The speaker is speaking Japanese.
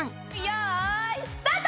よいスタート！